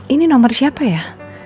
ini nomer siapa ya